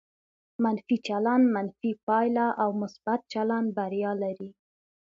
منفي چلند منفي پایله او مثبت چلند بریا لري.